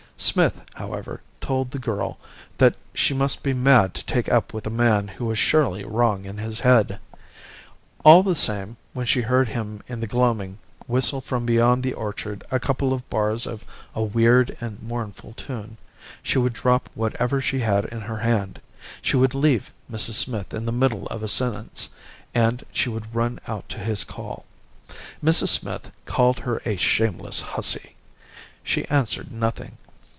Smith, however, told the girl that she must be mad to take up with a man who was surely wrong in his head. All the same, when she heard him in the gloaming whistle from beyond the orchard a couple of bars of a weird and mournful tune, she would drop whatever she had in her hand she would leave Mrs. Smith in the middle of a sentence and she would run out to his call. Mrs. Smith called her a shameless hussy. She answered nothing.